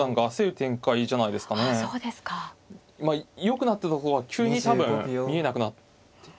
よくなってたとこが急に多分見えなくなって。